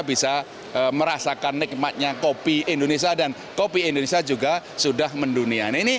bisa merasakan nikmatnya kopi indonesia dan kopi indonesia juga sudah mendunia